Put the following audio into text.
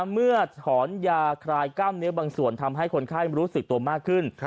เมื่อถอนยาคลายกล้ามเนื้อบางส่วนทำให้คนไข้รู้สึกตัวมากขึ้น